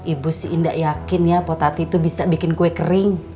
ibu si indah yakin ya potati itu bisa bikin kue kering